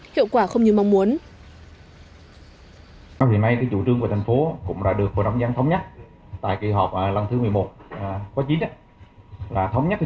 hiệu quả không như mong muốn